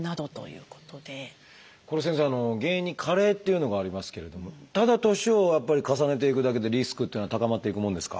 これ先生原因に加齢っていうのがありますけれどもただ年を重ねていくだけでリスクっていうのは高まっていくものですか？